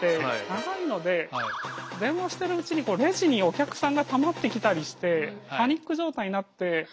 長いので電話してるうちにこうレジにお客さんがたまってきたりしてパニック状態になって。